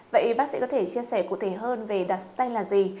vậy bác sĩ có thể chia sẻ cụ thể hơn về đặt stent là gì